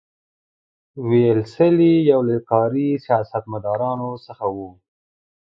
ویلسلي یو له کاري سیاستمدارانو څخه وو.